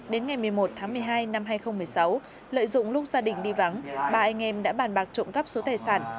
đến ngày một mươi một tháng một mươi hai năm hai nghìn một mươi sáu lợi dụng lúc gia đình đi vắng ba anh em đã bàn bạc trộm cắp số tài sản